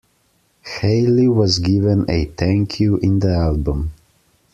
Hayley was given a thank-you in the album.